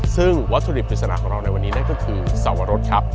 ซึ่งวัตถุดิบปริศนาของเราในวันนี้นั่นก็คือสวรสครับ